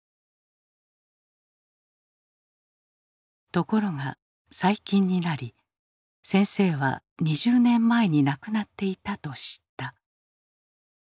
ところが最近になり先生は２０年前に亡くなっていたと知った。